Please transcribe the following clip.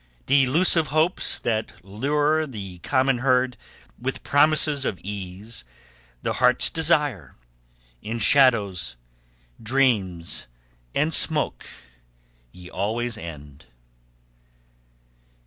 Delusive hopes that lure the common herd With promises of ease, the heart's desire, In shadows, dreams, and smoke ye always end.